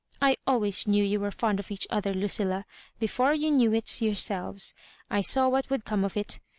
"I always knew you were fond of each other, Ludlla; before you knew it yourselves, I saw what would come of it.